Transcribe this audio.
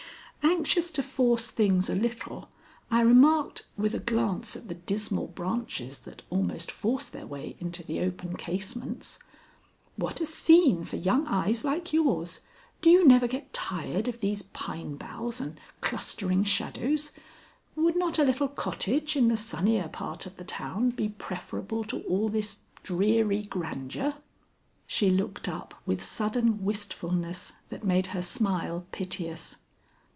Anxious to force things a little, I remarked, with a glance at the dismal branches that almost forced their way into the open casements: "What a scene for young eyes like yours! Do you never get tired of these pine boughs and clustering shadows? Would not a little cottage in the sunnier part of the town be preferable to all this dreary grandeur?" She looked up with sudden wistfulness that made her smile piteous.